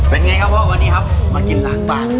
เป็นไงครับพ่อวันนี้ครับมากินล้างบาง